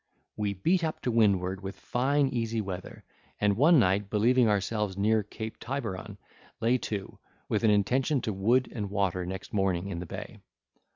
We beat up to windward, with fine easy weather, and one night believing ourselves near Cape Tiberon, lay to, with an intention to wood and water next morning in the bay.